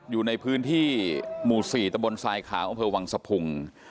อยู่ในพื้นที่หมู่๔ตะบนทรายขาวอำเภอวังสะพุง